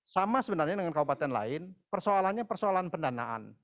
sama sebenarnya dengan kabupaten lain persoalannya persoalan pendanaan